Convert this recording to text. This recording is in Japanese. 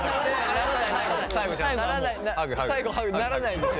最後ハグならないですよ。